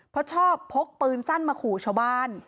เพราะชอบพกปืนสั้นมาขู่ชาวบ้าน